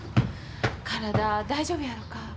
体大丈夫やろか。